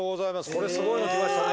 これすごいの来ましたね。